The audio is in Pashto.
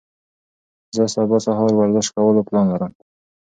زه سبا سهار ورزش کولو پلان لرم.